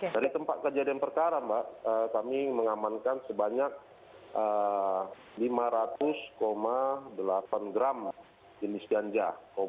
dari tempat kejadian perkara mbak kami mengamankan sebanyak lima ratus delapan gram jenis ganja